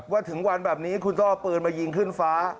ถึงวันแบบนี้คุณต้องเอาปืนมายิงขึ้นฟ้า